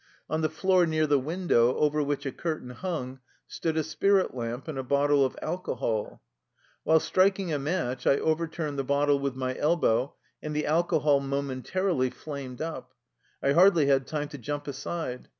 On the floor near the window, over which a curtain hung, stood a spirit lamp and a bottle of alco hol. While striking a match, I overturned the bottle with my elbow, and the alcohol momen tarily flamed up. I hardly had time to jump aside.